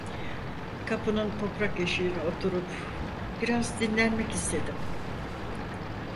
Kapının toprak eşiğine oturup biraz dinlenmek istedim.